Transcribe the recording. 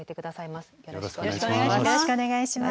よろしくお願いします。